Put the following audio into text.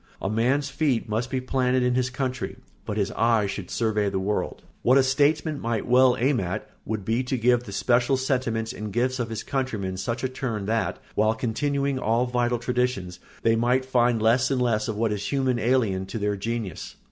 A man's feet must be planted in his country, but his eyes should survey the world. What a statesman might well aim at would be to give the special sentiments and gifts of his countrymen such a turn that, while continuing all vital traditions, they might find less and less of what is human alien to their genius.